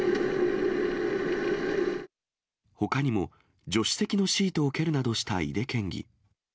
ほかにも助手席のシートを蹴るなどした井手県議。